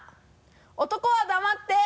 男は黙って。